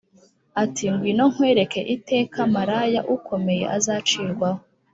ati “Ngwino nkwereke iteka maraya ukomeye azacirwaho,